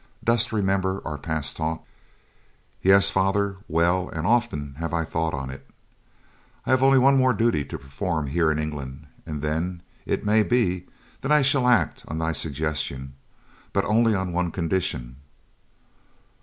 Dost remember our past talk?" "Yes, father, well; and often have I thought on't. I have one more duty to perform here in England and then, it may be, that I shall act on thy suggestion, but only on one condition."